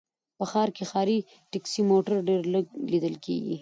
په ښار کې ښاري ټکسي موټر ډېر لږ ليدل کېږي